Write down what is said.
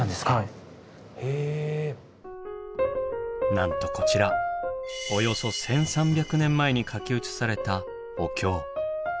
なんとこちらおよそ１，３００年前に書き写されたお経。